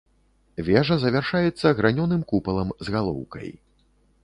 Вежа завяршаецца гранёным купалам з галоўкай.